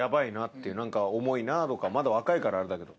重いなぁとかまだ若いからあれだけど。